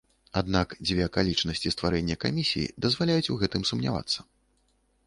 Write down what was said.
Аднак, дзве акалічнасці стварэння камісіі дазваляюць у гэтым сумнявацца.